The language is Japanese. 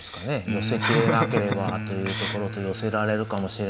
寄せきれなければというところと寄せられるかもしれないというところと。